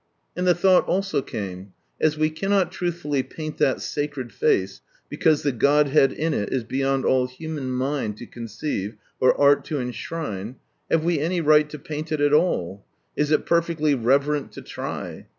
And the thought also came, — as we cannot truthfully paint that Sacred Face, because the Godhead in it is beyond all human mind to conceive, or art to enshrine, have we any right to paint it at all ? Is it perfectly reverent to try